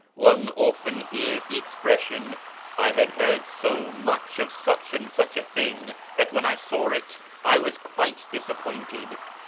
One often hears the expression, " I had heard so much of such and such a thino; that when I saw it I was quite disappointed."